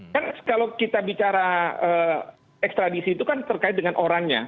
kan kalau kita bicara ekstradisi itu kan terkait dengan orangnya